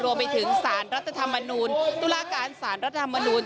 รวมไปถึงสารรัฐธรรมนูลตุลาการสารรัฐธรรมนูล